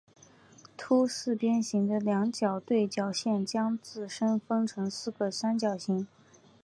凸四边形的两条对角线将自身分成四个三角形。